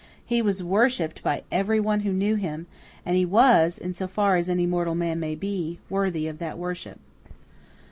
He was worshipped by everyone who knew him, and he was, in so far as mortal man may be, worthy of that worship.